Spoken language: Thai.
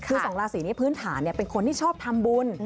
คือสองราศีนี้พื้นฐานเป็นคนที่ชอบทำบุญ